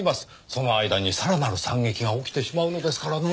その間にさらなる惨劇が起きてしまうのですからねぇ。